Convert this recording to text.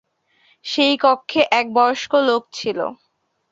সেই কক্ষে এক বয়স্ক লোক ছিল।